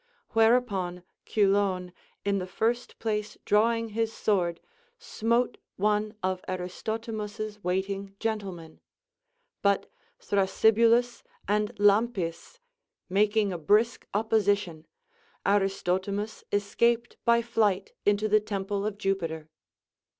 Whereupon Cylon in the first place drawing his sword smote one of Aristotimus's wait ing gentlemen ; but Thrasybulus and Lampis making a brisk opposition, Aristotimus escaped by flight into the temple of Jupiter.